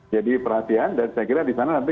jadi perhatian dan saya kira di sana nanti